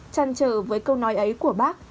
chăn trở với câu nói ấy của bác